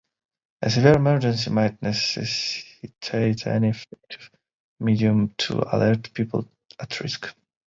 A severe emergency might necessitate any effective medium to alert people at risk.